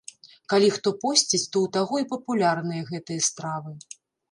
Калі хто посціць, то ў таго і папулярныя гэтыя стравы.